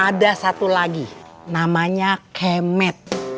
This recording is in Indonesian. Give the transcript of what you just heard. ada satu lagi namanya kemet